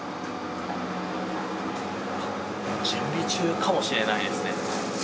準備中かもしれないですね。